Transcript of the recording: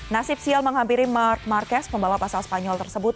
nasib sial menghampiri mark marquez pembalap asal spanyol tersebut